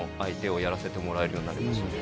をやらせてもらえるようになりましたね